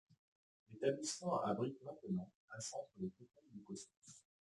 L'établissement abrite maintenant une centre technique du cosmos.